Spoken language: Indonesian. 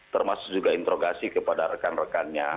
termasuk juga interogasi kepada rekan rekannya